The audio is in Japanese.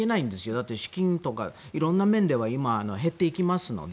だって資金とか、いろんな面で減っていきますので。